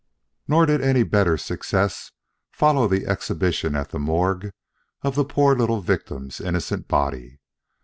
Nor did any better success follow the exhibition at the morgue of the poor little victim's innocent body.